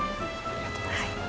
ありがとうございます。